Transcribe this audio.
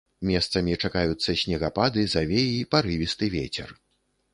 Месцамі чакаюцца снегапады, завеі, парывісты вецер.